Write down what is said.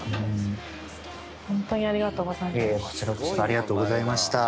いやいやこちらこそありがとうございました。